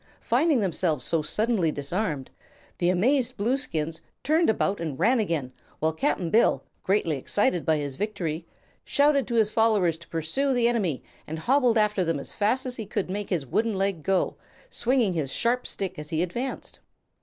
Finding themselves so suddenly disarmed, the amazed Blueskins turned about and ran again, while Cap'n Bill, greatly excited by his victory, shouted to his followers to pursue the enemy, and hobbled after them as fast as he could make his wooden leg go, swinging his sharp stick as he advanced.